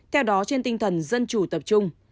theo đó trên tinh thần dân chủ tập trung